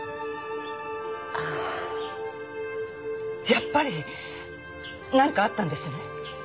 やっぱり何かあったんですね？